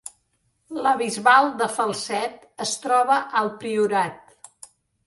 La Bisbal de Falset es troba al Priorat